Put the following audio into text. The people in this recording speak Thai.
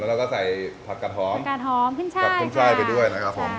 แล้วเราก็ใส่ผักกัดหอมผักกัดหอมขุมชาติขุมชาติไปด้วยนะครับผม